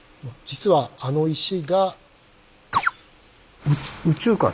実はあの石が。